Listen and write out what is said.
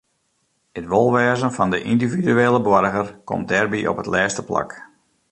It wolwêzen fan de yndividuele boarger komt dêrby op it lêste plak.